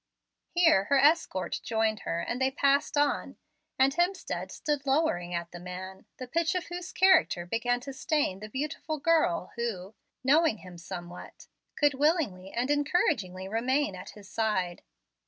Here her escort joined her, and they passed on; and Hemstead stood lowering at the man, the pitch of whose character began to stain the beautiful girl who, knowing him somewhat, could willingly and encouragingly remain at his side.